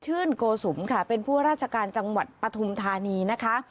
โกสุมค่ะเป็นผู้ราชการจังหวัดปฐุมธานีนะคะ